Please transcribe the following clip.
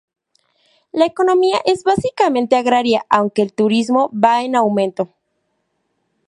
La economía es básicamente agraria, aunque el turismo va en aumento.